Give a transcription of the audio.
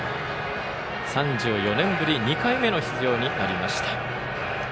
３４年ぶり２回目の出場になりました。